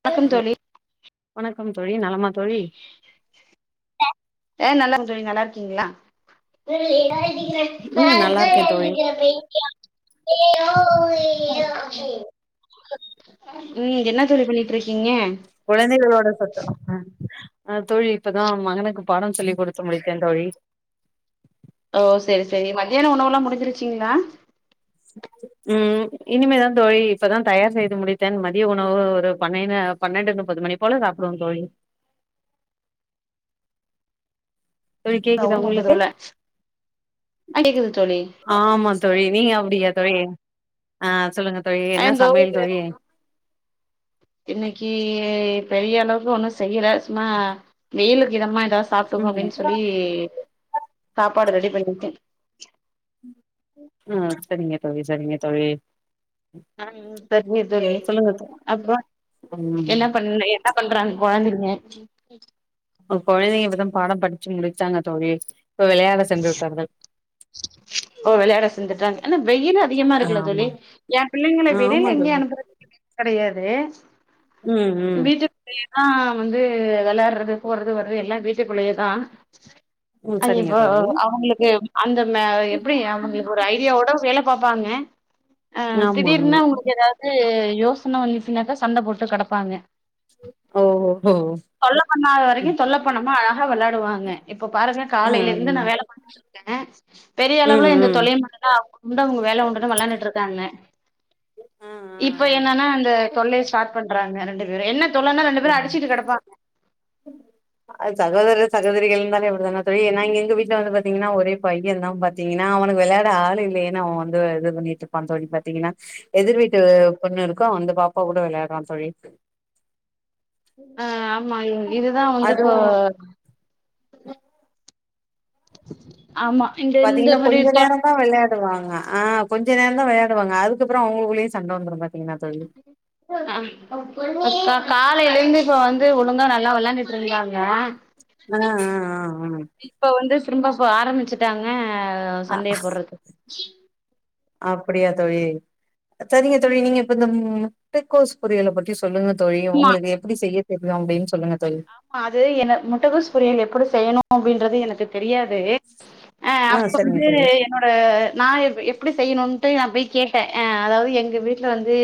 வணக்கம் தோழி வணக்கம் தோழி நலமா தோழி ஏ நல்லா இருகே தோழி நல்லா இருக்கீங்ளா டக்கிறன் ந ம் நல்லா இருக்கே தோழி அந்தக்க போய [unintelligible] உம் என்ன தோழி பண்ணிட்டு இருக்கீங்க கொழந்தைகளோட சத்தம் அ தோழி இப்பதா மகனுக்கு பாடோ சொல்லி கொடுத்து முடித்தேன் தோழி ஓ செரி செரி மத்தியான உணவெல்லா மு வந்துருச்சிங்ளா ம் இனிமேதா தோழி இப்பதா தயார் செய்து முடித்தேன் மதிய உணவு ஒரு பன்னென்னு பன்னென்டு நுப்பது மணி போல சாப்டுவோம் தோழி தோழி கேக்குதா ஒன் முப்பது உங்களுக்கு போல ஆ கேக்குது தோழி ஆமாந் தோழி நீங்க அப்டி தோழி ஆ சொல்லுங்க தோழி என்ன இந்த சமயல் தோழி இன்னைக்கு பெரிய அளவுக்கு ஒண்ணு செய்யல ம்மா வெயிலுக்கு இதமா சாப்ட்டுக்கோ ம் அப்டின்னு சொல்லி சாப்பாடு ரெடி வ [unintelligible] உம் சரிங்க தோழி சரிங்க தோழி ஆ சரிங்க தோழி சொல்லுங்க தோ அப்றோ ம் என்ன பண்ண என்ன பண்றாங்க கொழந்தைங்க [unintelligible] [unintelligible] இப்ப கொழந்தைங்க இப்பதா பாடம் படிச்சு முடிச்சாங்க தோழி இப்ப விளையாட சென்று விட்டார்கள் ஓ விளையாட சென்றுட்டாங்க ஆனா வெயில் அதிகமா இருக்குல்ல ஆமா தோழி ஏ பிள்ளைங்கள ஆமா வெளியில எங்கேயு அனுப்புறது கெடயாது உம் உம் ஆ வந்து வெளயாடுறது போறது வர்றது எல்லா வீட்டுக்குள்ளயேதா உம் அ சரிங்க இப்ப தோழி அவுங்களுக்கு உ [unintelligible] அந்த ம எப்டி அவுங்ளுக்கு ஒரு ஐடியாவோட வேலப் பாப்பாங்க ஆ ஆமா திடீர்னா அவுங்ளுக்கு ஏதாவுது யோசன வந்துச்சுனாக்கா சண்ட போட்டு கெடப்பாங்க ஓஹோ தொல்ல பண்ணாத வரைக்கும் தொல்ல பண்ணம நல்லா வேளாடுவாங்க இப்ப பாருங்க ஆ காலேல இங்க நா வேல பாத்துட்ருக்க பெரியளவுல ம் எந்த ம் தொல்லையு பண்ணல அவுங்க உண்டு அவுங்க வேல உண்டுன்னு வேளாண்டுட்டு இருக்காங்க இப்ப என்னன்னா அந்த தொல்லைய ஸ்டார்ட் பண்றாங்க ரெண்டு வேற என்னப் தொல்லன்னா ரெண்டு பேரும் அடிச்சுட்டு கெடப்பாங்க ஆ சகோதரர் சகோதரிகள்னாலே அப்டி தானே தோழி ஏன்னா இங்க எங்க வீட்ல வந்து பாத்தீங்கன்னா ஒரே பையன்ந்தா பாத்தீங்கன்னா அவனுக்கு விளையாட ஆள் இல்லயேன்னு அவன் வந்து இது பண்ணிட்டு இருப்பான் தோழி பாத்தீங்கன்னா எதிர் வீட்டு பொண்ணிருக்கும் அந்த பாப்பா கூட வேளையாடுவா தோழி அ அம் ஆமா இதுதா வந்து இப்போ அதுவு ஆமா இந்த இந்த பாத்தீங்கன்னா மாரி கொஞ்ச தொ நேரோந்தா வேளாட் டு வாங்க ஆ கொஞ்ச நேரோதா வேளாடுவாங்க அதுக்கப்றோ அவுங்களுக்குள்ளேய சண்ட வந்துரு பாத் ஆ இப்ப காத் இப்போ எழுந்து இப்போ வந்து ஒழுங்கா நல்லா வேளாண்டுட்டு இருந்தாங்க அ அ அ ஆ இப்ப வந்து திரும்ப இப்போ ஆரம்பிச்சிட்டாங்க ஆ சண்டைய போறதுக்கு கீழ் அப்டியா தோழி செரிங்க தோழி நீங்க இப்ப இந்த முட்ட கோஸ் பொரியல பத்தி சொல்லுங்க தோழி ஆமா உங்களுக்கு எப்டி செய்யத் [unintelligible] அப்டின்னு சொல்லுங்க தோழி ஆமா அது என்ன முட்டகோஸ் பொரியல் எப்டி செய்யணு அப்டின்றது எனக்குத் தெரியாது அ ஆ அப்போ சரிங்க வந்து தோழி என்னோட நா இப் எப் எப்டி செய்ணுன்டு நா பேய் கேட்ட அ அதாவது எங்க வீட்ல வந்து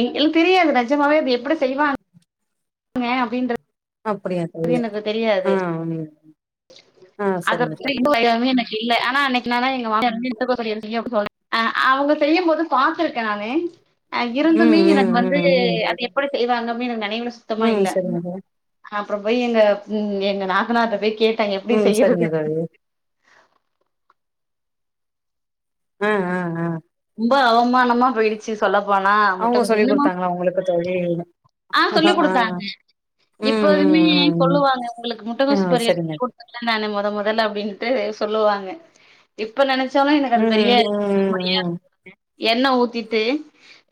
எங்களுக் தெரியாது நிஜமாவே அது எப்டி செய்வாங்க சொங்க அப்டின்ற அப்டியா அது தோழி எனக்கு தெரியாது ஆ ம் ஆ அத சரிங்க தோழி எனக்கு இல்ல ஆனா அன்னைக்கு நானா எங்க மாமியாரு [inaudible] அ அவங்க செய்யு போது பாத்துருக்கே நானு அ இருந்துமே ம் எனக்கு ம் வந்து ம் ம் அது எப்டி செய்வாங்க [inaudible] மேவுல சுத்தமா ம் இல்ல சரிங்க தோழி அ அப்புறோ போய் எங்க ம் எங்க நாத்தனர்ட்ட போய் கேட் நா எப்படி ம் செய்யறது சரிங்க தோழி அ அ அ ரொம்ப அவமானமா போயிடுச்சு சொல்லப்போனா அவங்க முட்டைக்கோசு சொல்லி இன்னமா குடுத்தாங்களா உங்களுக்கு தோழி ஆ சொல்லிக் ஆ கொடுத்தாங்க ம் இப்போதுமே ம் ம் ம் சொல்லுவாங்க உங்களுக்கு ஆ முட்டைக்கோசு பொரியல் சரிங்க சொல்லடுத்த நானே மொத மொதல்ல அப்டின்ட்டு சொல்லுவாங்க இப்ப நெனெச் ச்சாலு எனக்கு அது ம் தெரியா ம் ம் என்ன ஊத்திட்டு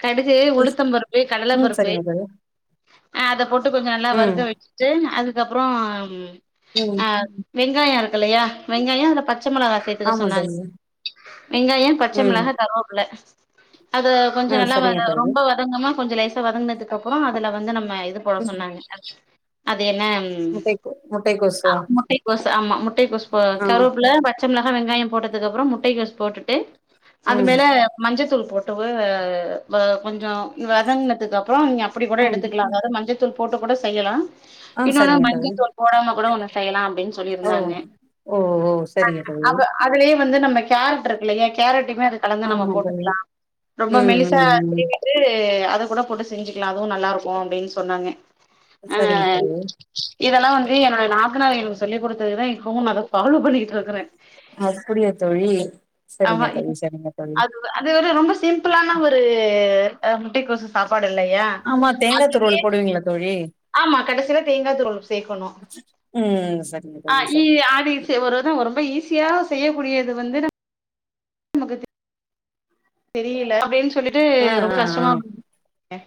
கடுகு ம் உளுத்தம் பருப்பு கடல ம் பருப்பு சரிங்க தோழி ஆ அத போட்டு டு கொஞ்சோ நல்லா ம் வருக வச்சட்டு அது அதுக்கப்புறோ அம் ம் ஆ வெங்காயோ இருக்குல்லையா வெங்காயோ அத பத் பச்ச மெளகா சேரத்துக்க ஆமா சொன்னாங்க தோழி வெங்காயோ பச்ச ம் மெளகா போக்குல அது கொஞ்சோ ஆ நல்லா வ சரிங்க தோழி ரொம்ப வதங்கமா கொஞ்சோ லேசா வதங்னது அப்புறோ அதுல வந்து நம் ம இது போட ம். சொன்னாங்க என்ன முட்டைக்கோ முட்டைக்கோசா முட்ட கோசு ஆமா முட்டை கொசு ஆ கருப்புல பச்சமள ஆ வெங்காயோ போட்டதுக்கு அப்புறோ முட்டைக்கோஸ் போட்டுட்டு அது ம் மேல மஞ்சத்தூள் போட் டுவு ம கொஞ்சோ வதங்கினதுக்கு அப்புறோ நீங்க அப்டி கூட ம் எடுத்துக்கலா அதாவது மஞ்ச தூள் போட்டு கூட செய்யலாம் ஆ இன்னும் ஒன்னு சரிங்க மஞ்ச தோழி தூள் போடாம கூட ஒன்னு செய்யலாம் அப்டின் ஓ சொல்லியிருந்தாங்க ஓ ஓ ஆ சரிங்க தோழி அப்ப அதுலயே வந்து நம்ம கேரட் இருக்கு இல்லைங்க கேரட் மே அது கலந்து நம்ம ஆமா தோழி போட்டுக்கலாம் ரொம்ப ம் மெலிசா ம் ம் திருவிட்டு அத கூட போட்டு செஞ்சுக்கலாம் அதுவும் நல்லா இருக்கும் அப்டின் சொன்னாங்க ஆ சரிங்க தோழி இதெல்லாம் வந்து என்னோட நாத் தனாரு எனக்கு சொல்லி கொடுத்ததுதான் இப்பவும் நா அத ஃபாலோ பண்ணிகிட்டு இருக்கறேன் அப்டியா தோழி ஆமா சரிங்க தோழி சரிங்க தோழி அது அது ரொம்ப சிம் இப்பலான ஒரு முட்டை கோசு சாப் சாப்பாடு இல்லையா ஆமா தேங்கா அதுலே துருவல் போடுவீங்களா தோழி ஆமா கடைசில தேங்கா துருவல் சேக்கணும் ம் சரிங்க ஆ தோழி இ சரிங்க அது ஒரு வருஷம் வரும் இப்ப ஈஸியா செய்யக்கூடியது வந்து நம் மக்கு தெ தெரியல அப்படின் சொல்லிட்டு ஆ ரொம்ப ஆ கஷ்டமா போச்சி ஏ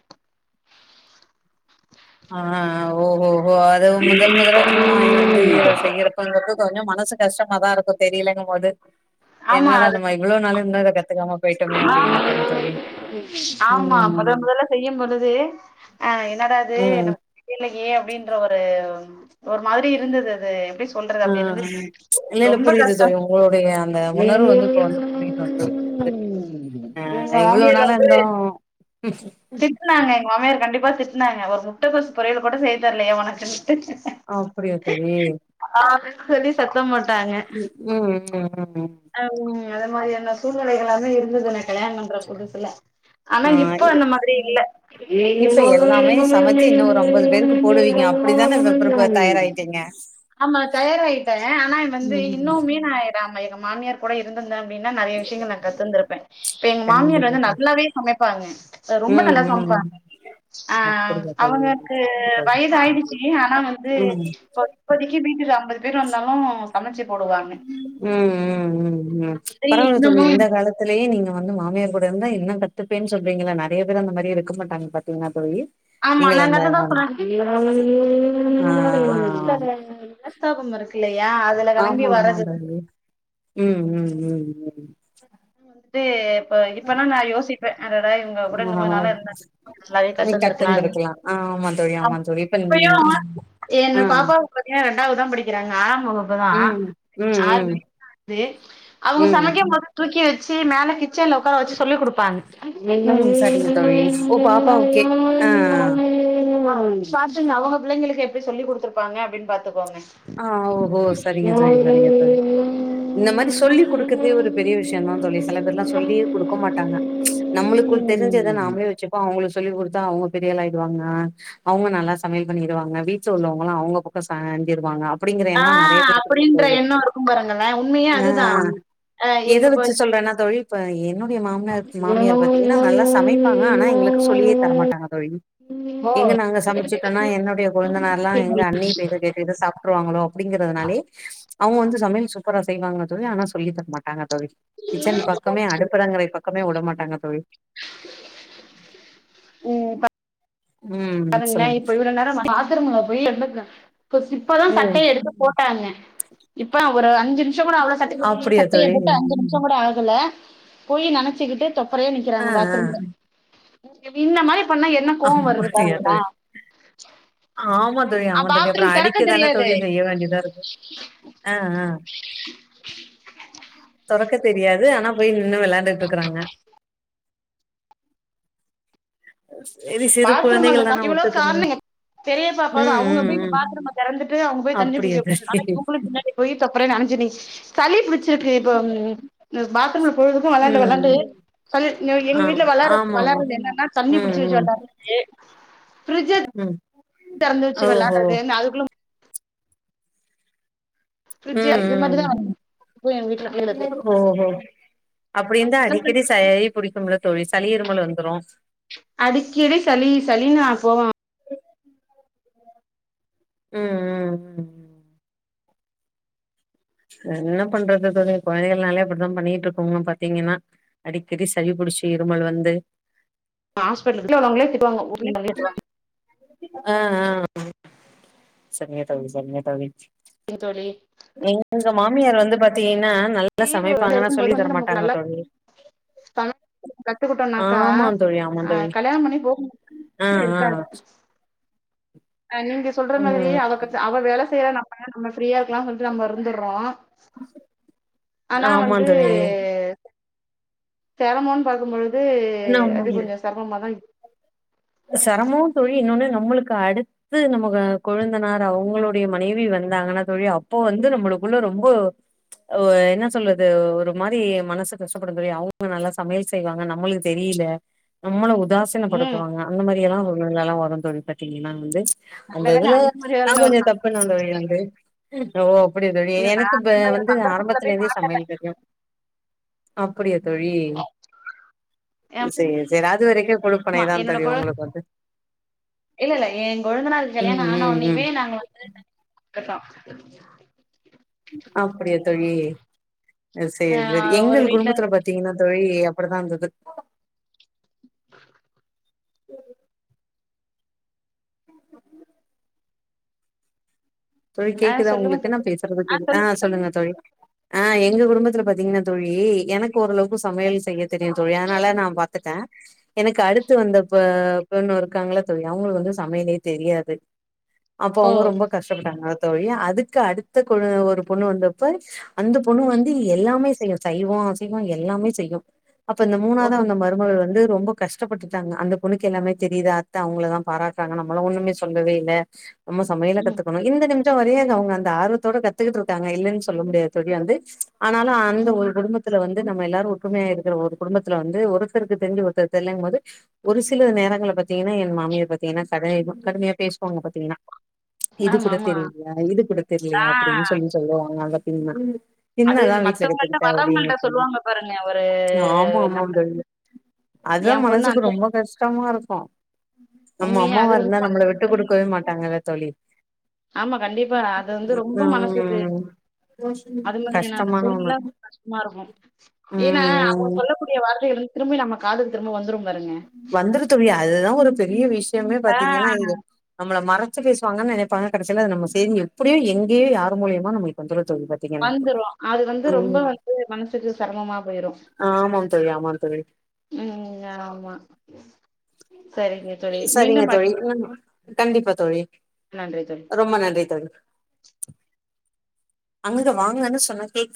ஆ ஆ ஆ ஓஹோ ஓ அது முதல் முதலா திருமணம் ஆகி வந்து செய்யறப்பங்கிறது கொஞ்சம் மன சு கஷ்டமா தா இருக்கும் தெரியலங்க போது ஆமா என்னடா அது நம்ம இவ்ளோ நாளு இருந்தும் அத ஆமா ஆமா மொத ம் மொதல்ல செய்யும்பொழுது ஆ என்னடா அது ம் நமக்கு தெரியலையே அப்டின்ற ஒரு ஒரு மாரி இருந்தது அது எப்டி சொல்றது ஆ ஆ அப்டி இருந்து ஆ ஆ இல்ல இல்ல ரொம்ப புரியுது தோழி கஷ்டம் உங்களுடைய அந்த உணர்வு வந்து இப்ப வந்து புரியுது வந்து ஆ இவ்ளோ நாள் இந்தும் திட்டனாங்க எங்க மாமியார் கண்டிப்பா ம்ப திட்டனாங்க ஒரு முட்ட கோசு பொறியல் கூட செய் தெரலையா ஒனக்கு ஆ புரியுது தோழி அப்டினு சொல்லி சத்தம் போட்டாங்க ம் ம் ம் ம் அ உம் அதே மாரி என்ன சூழ்னிலைகலா து இருந்ததுன கல்யானாபண்ற புதுசு இல்ல ஆனா ஆ இப்ப அந்த மாரி இல்ல இப்ப எல்லாமே சமைச்சு இன்னு ஒரு ஐம்பது பேருக்கு போடுவீங்க அப்டிதான இப்ப பிரிப்ப தயாராயிட்டீங்க ஆமா தயாராயிட்டே ஆனா வந்து இன்னு ம் மீன் ஆயிடா இப்ப மாமியார் கூட இருந்த அப்டின்னா நறைய விஷயங்கள் நா கத்துந்திருப்பே இப்ப எங்க மாமியார் கண்டிப்பா வந்து தோழி நல்லாவே சமைப்பாங்க ரொம்ப நல்லா ம் ம் சமைப்பாங்க ஆ அப்படியா தோழி அவங்களுக்கு வயது ஆயிடுச்சு ஆனா வந்து ம் இப்ப இப்போதைக்கு வீட்டுல ஐம்பது பேர் வந்தாலு சமைச்சு போடுவாங்க ம் ம் ம் ம் சரி பராவில்ல தோழி இன்னமு இந்த காலதுலயே நீங்க வந்து மாமியார் கூட இருந்தா என்ன கத்து பேன்னு சொல்றீங்களா நறைய பேர் அந்த மாரி இருக்கட்டங்க பாத்தீங்கன்னா தோழி ஆமா ந நீங்கள் அந்த அதுதா சொன்னே ஆ ஆ த்தா கொமர்ருக்கிலே ஆமா ஆமா மதினி ம் ம் ம் ம் இது இப்ப இப்பா நா யோசிப்பே அட அட இவங்க கூட ம் ஆ இன்ணுகொஞ்சநாள இருந்த நீ லைட்டந்துருக்கலா கத்துந்திருக்கலா ஆமா தோழி ஆமா தோழி இப்ப அப்பயு ம் என்ன ஆ பாப்பாவ பத்தினா ரெண்டாவதுதா படிக்கிறாங்க ஆறா வகுப்புதா ம் ம் ஆறு ம் மணி அவங்க ம் சமைக்கும் போது குடுக்கி வச்சு மேல கிச்சன்ல உக்கார வச்சு சொல்லி கொடுப்பாங்க ம் சரிங்க தோழி ஓ பாப்பா ஓகே ஆ சாப்டுங்க அவங்க பிள்ளைங்களுகு எப்டி சொல்லி குடுத்ருப்பாங்க அப்டின்னு பாத்துக்கோங்க ஆ ஓஹோ சரிங்க சரி சரிங்க சரி இந்த மாதிரி சொல்லி் கொடுக்கறதே ஒரு பெரிய விஷய என்ன சொல்லி சில பேர்லா சொல்லியே கொடுக்க மாட்டாங்க நம்மளுக்குள் தெரிஞ்சத நாமலே வச்சுப்போ அவங்க உங்ளுக் சொல்லிக் கொடுத்தா அவுங்க பெரிய ஆளாயிடுவாங்க அவுங்க நல்லா சமையல் பண்ணிடுவாங்க வீட்ல உள்ளவங்களலா அவுங்க பக்கம் சாஞ் இருவாங்க ஆ அப்டின்ற எண்ணோ இருக்கும் பாருங்களே உண்மயே ஆ அதுதா அ எங்க போயி அப்ப என் என்னுடைய மாமனார் மாமியார் பாாரத்தீங்கன்னா நல்லா சமைப்பாங்க ஆனா எங்களுக்கு சொல்லியே தரமாட்டாங்க தோழி எங்க ம் நாங்க சமைச்சுட்டோனா என்னுடைய கொழந்தனார்லா எங்க அண்ணி [unintelligible] எதோ சாப்ருவாங்களோ அப்படிங்கிறனாலே அவுங்க வந்து சமையல் சூப் சூப்பரா செய்வாங்க தோழி ஆனா சொல்லி தரமாட்டாங்க தோழி கிச்சன் பக்கமே அடுப்பரங்கரை பக்கமே பக்கமே வுடமாட்டாங்க தோழி ம் ப ம் பாருங்ளே சொல்லுங்க இப்ப இவ்ள நேரம் பாத்ரூம்ல போய் [unintelligible] இப்பதா ம் சட்டயெடுத்து போட்டாங்க இப்பதா ஒரு அஞ்சு நிமிஷ கூட ஆவுல சட்ட அப்படியா சட்டய தோழி போட்டு அஞ்சு நிமிஷ கூட ஆக ல போய் நெனச்சிகிட்டு தொப்ரையா ஆ நிக்கிறாங்க ஆ பாத்ரூம்ல எப்டி இந்த மாரி பண்ணா என்ன கோவ வருது டியா பாருங்களா தோழி ஆமா தோழி ஆமா தோழி அப்புறொ அடிக்கதானே தெரியாது தோழி செய்ய வேண்டிதா இருக்கு ஆ ஆ க்க தெரியாது ஆனா போய் நின்னு வெளாண்டுட்ருக்குறாங்க பாத்ரூம் அந்த க இவ்வளோ காரண எங்க பெரிய பாப்பாதா ம் அவுங்க ம் போய் இந்த ம் பாத்ரூம தெறந்துட்டு அவுங்க போய் தண்ணி அப்படியா புடிக்க தோழி போனனால இவுங்களு பின்னாடி போயி தொப்பரயா நனஞ்சு நி சளி புடிச் சுருக்கு இப்ப பாத் ரும்ல பொழுதுக்கு வெளாண்டு வெளாண்டு ம் எங்க ஆ வீட்ல வெளாற ஆமா ஆமா வெளாறது என்னனா தண்ணி ம் பிடிச்சு வச்சு ம் வெளாற து ஃப்ரிட்ஜ ம் தெறந்து வச்சு ஓஹோ வெளாறது இந்த அதுக்குள்ளும் ஃப்ரிட்ஜ் இது மாரிதா ம் எங்க வீட்ல ம் ஓஹோ அப்டி இருந்தா பிள்ளைகளுக்கு அடிக்கடி சளி பிடிக்கும்ல தோழி சளி இருமல் வந்துரு அடிக்கடி சளி சளினு ஆ போவா ம் ம் ம் ம் என்ன பண்றது தோழி கொழந்தைகள்னாலெ அப்டிதா பண்ணிட்ருக்குங்க பாத்தீங்கன்னா அடிக்கடி சளிபுடிச்சு இருமல் வந்து ஹாஸ்பிட்டல்ல அவுங்ளே திட்டுவாங்க [unintelligible] ஆ ஆ ஆ சரிங்க தோழி சரிங்க தோழி எ தோழி எங்க மாமியார் வந்து பாத்தீகன்னா [unintelligible] இருக்கும்போது வந்து நமக்கு நல்ல சமைக்க கத்துக்கிட்டோனாக்கா ஆமா தோழி ஆமா அ தோழி கல்யாணம் பண்ணி ஆ போகும்போது ஆ இருக்காது அ நீங்க சொல்ற மாதிரியே ம் அவக்கத்து அவ வேல செய்றா நம் பாருங்க நம்ம ஃப்ரியா கல்யாணம் பண்ட்டு நம்ம இருந்துர்றோ ஆனா ஆமா வந்து தோழி செரமோன்னு பாக்கும்பொழுது அது கொஞ்சோ செரமமாதா இரு அ செரமோ தோழி இன்னொன்னு நம்மளுக்கு அடுத்து நம்ம ஆ கொழுந்தனார் அவங்களுடைய மனைவி வந்தாங்கன்னா தோழி அப்போ வந்து நம்மளுக்குள்ள ரொம்ப ஆ என்ன சொல்றது ஒரு மாரி மனசு கஷ்டப்படுந் தோழி அவங்க நல்லா சமையல் செய்வாங்க நம்மளுக்கு தெரியல நம்மள உ ம் தாசினப்படுத்துவாங்க அப்டி எல்லா ஒன்னொன்னல்லா வரு தோழி பிரச்சன எல்லா வந்து அந்த நல்ல வேல இதுல மாரி நா ஆளுங்க கொஞ்சோ இருக்காங்க தப்புன்னா தோழி வந்து ம் அப்றோ அப்படியா தோழி இல்ல நா எனக்கு இப்ப அந்த மாரி வந்து சந்தர்ப்பத்துல ஆரம்பத்துல போய் இருந்தே சமையல் தெரியு அ ப்படியா தோழி மாட் சேரி சேரி அ அது வரைக்கு குடுப்பனைதான் கொழுந் இல்ல இல்ல ஏன் கொழுந்தனாருக்கு ம் கல்யாணோ ம் ம் ஆனவுட்னயவே நாங்க வந்து தனி [inaudible] போய்ட்டோ அப்பிடியா தோழி ஆ செய்யறது ஒரு எங்கள் வீட்ல குடும்பத்துல பாத்தீங்கன்னா தோழி அப்பிடிதா இருந்துது ம் தோழி ஆ கேக்குதா சொல்லுங்க தோ உங்களுக்கு நா பேசுறது கேக்கு ஆ சொல்லுங்க தோழி ஆ எங்க குடும்பத்துல பாத்தீங்கன்னா தோழி எனக்கு ஓரளவுக்கு சமையல் செய்ய தெரியு தோழி அதனால நா பாத்துட்டே எனக்கு அடுத்து வந்த பொ பொண்ணு இருக்காங்கல்ல தோழி அவங்களுக்கு வந்து சமையலே தெரியாது அப்போ அவங்க ரொம்ப கஷ் ஆமா தோழி அதுக்கு அடுத்த கொழு ஒரு பொண்ணு வந்தப்ப அந்த பொண்ணு வந்து எல்லாமே செய்யு சைவோ அசைவோ எல்லாமே செய்யு அப்ப அந்த மூணாவதா வந்த மருமக வந்து ரொம்ப கஷ்டப்பட்டுட்டாங்க அந்த பொண்ணுக்கு எல்லாமே தெரியுது அத்த அவங்களதா பாராட்டுறாங்க நம்மள ஒண்ணுமே சொல்லவே இல்ல நம்ம சமயல் ம் த்துக்கணு இந்த நிமி ஷோ வரையு அங்க அவங்க அந்த ஆர்வத்தோட கத்துக்கிட்ருக்காங்க இல்லன்னு சொல்ல முடியாது தோழி வந்து ஆனாலு அந்த ஒரு குடும்பத் துல வந்து நம்ம எல்லாரு ஒற்றுமையா இருக்கிற ஒரு குடும்பத்துல வந்து ஒருத்தருக்கு தெரிஞ்சு ஒருத்தருக்கு தெர்லைங்கும் போது ஒரு சில நேரங்கல்ல பாத்தீங்கன்னா என் மாமியார் பாத்தீங்கன்னா கடு இமு கடுமையா பேசுவாங்க பாத்தீங்கன்னா இது ஆமா கூட ஆமா தெரிலையா இது கூட ஆ தெரிலையா அப்டின்னு சொல்லி சொல்லுவாங்க அந்த சின்ன அது சின்னவதா வீட்ல மத்தவங்கள்ட்ட கெத்துன்ட்டு அப்டின்னு வர்றவங்கள்ட்ட சொல்லி சொல்லுவாங்க பாருங்க ஒரு ஆமா நம்ம ஆமாந் தோழி அதா என் பொண்ணு மனசுக்கு அந்த ரொம்ப கஷ்டமா இரு க்கு நம்ம உண்மையா அம்மாவா அது இருந்தா ரொம்ப நம்மள விட்டு குடுக்கவே மாட்டாங்கல்ல தோழி ஆமா கண்டிப்பா அது வந்து ரொம்ப மனசுக்கு ம் அது மாரியான கஷ்டமான ஒண்ணு சூழ்நிலைல கஷ்டமா இருக்கு ஏன்னா அவங்க ம் சொல்லக்கூடிய வார்த்தைகள் வந் திரும்பி நம்ம காதுக்கு திரும்ப வந்துரும் பாருங்க வந்துரு தோழி அதுதா ஒரு பெரிய விஷ் யமே ஆ பாத்தீங்கன்னா இது நம்மள மற ச்சு பேசுவாங்கன்னு நெனைப்பாங்க கடைசில அது நம்ம செய்தி எப்படியு எங்கயோ யார் மூலியமாது நம்மளுக்கு வந்துரு தோழி பாத்தீங்கன்னா வந்துரு அது வந்து ரொம்ப ம் வந்து மனசுக்கு செரமமா போயிரு ஆமாம் தோழி ஆமாம் தோழி ம் ஆமா ம் சரிங்க தோழி ம் கண்டிப்பா தோழி நன்றி தோழி ரொம்ப நன்றி தோழி அங்கதா வாங்கன்னு சொன்னா கேக்குறி